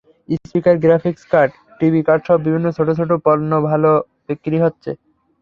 Speaker, graphics card, TV কার্ডসহ বিভিন্ন ছোট ছোট পণ্য ভালো বিক্রি হচ্ছে।